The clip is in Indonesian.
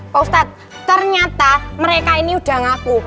pak ustadz ternyata mereka ini udah ngaku